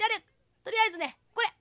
とりあえずねこれ！